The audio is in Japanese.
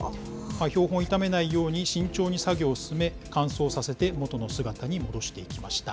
標本を傷めないように、慎重に作業を進め、乾燥させて、元の姿に戻していきました。